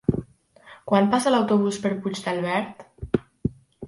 Quan passa l'autobús per Puigdàlber?